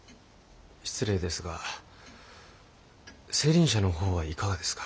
失礼ですが青凜社の方はいかがですか？